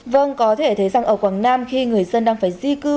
vâng có thể thấy rằng ở quảng nam khi người dân đang phải di cư